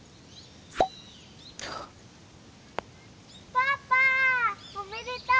「パパおめでとう！